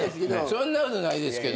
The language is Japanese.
そんなことないですけど。